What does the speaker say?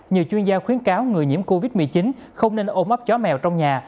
nhiều chuyên gia khuyến cáo người nhiễm covid một mươi chín không nên ôm ấp chó mèo trong nhà